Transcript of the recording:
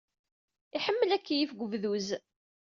Yeḥemmel akeyyef deg webduz.